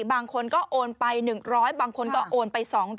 บางคนก็โอนไป๑๐๐บางคนก็โอนไป๒๐๐